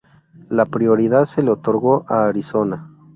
La prioridad se le otorgó a Arizona.